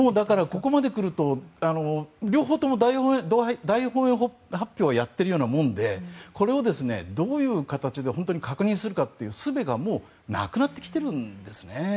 ここまでくると両方とも大本営発表をやっているようなものでこれをどういう形で本当に確認するかというすべがなくなってきているんですね。